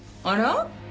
あら？